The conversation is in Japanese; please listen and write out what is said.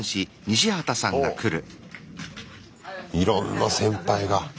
いろんな先輩が。